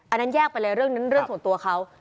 อันนั้นแยกไปเลยเรื่องนั้นเรื่องส่วนตัวเขา